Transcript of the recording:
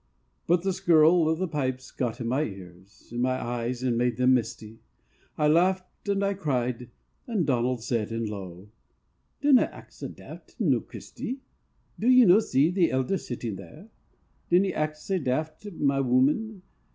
But the skirl o' the pipes got in my ears, In my eyes, and made them misty; I laughed and I cried, and Donald said low: "Dinna act so daft, noo, Christy!" "Do ye no see the elder sitting there? Dinna act sae daft, my wooman.